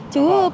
chứ cũng không